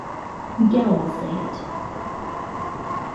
Miguel will say it.